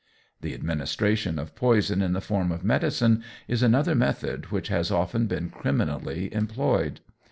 The administration of poison in the form of medicine is another method which has often been criminally employed.